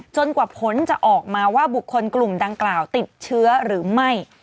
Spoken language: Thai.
กว่าผลจะออกมาว่าบุคคลกลุ่มดังกล่าวติดเชื้อหรือไม่